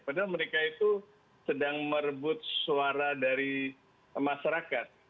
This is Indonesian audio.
padahal mereka itu sedang merebut suara dari masyarakat